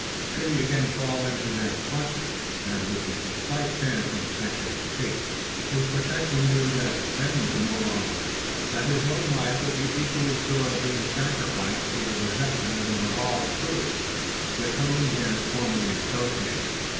Should he again fall into their clutches, there would be but slight chance of a second escape. His protector knew that. Ben knew, moreover, that his own life would be equally sure of being sacrificed to the resentment of the ribald crew, with whom he had formerly associated.